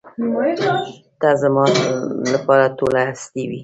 ته زما لپاره ټوله هستي وې.